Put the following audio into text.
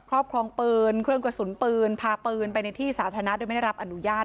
รอบครองปืนเครื่องกระสุนปืนพาปืนไปในที่สาธารณะโดยไม่ได้รับอนุญาต